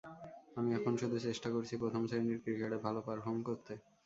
আমি এখন শুধু চেষ্টা করছি প্রথম শ্রেণির ক্রিকেটে ভালো পারফর্ম করতে।